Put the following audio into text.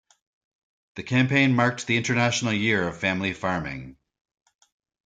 The campaign marked the International Year of Family Farming.